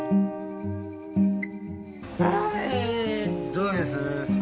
どうです？